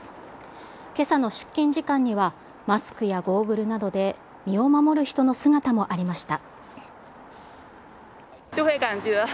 けさの出勤時間には、マスクやゴーグルなどで身を守る人の姿もありました。